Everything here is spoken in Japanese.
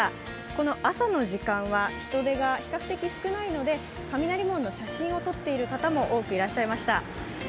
この朝の時間は人出が比較的少ないので雷門の写真を撮っている方も多くいらっしゃいました。